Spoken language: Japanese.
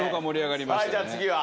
はいじゃあ次は？